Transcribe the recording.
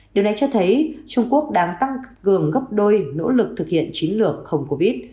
điều này cho thấy trung quốc đang tăng cường gấp đôi nỗ lực thực hiện chiến lược không covid